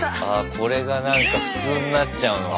これがなんか普通になっちゃうのか。